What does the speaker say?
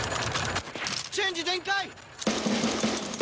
チェンジ全開！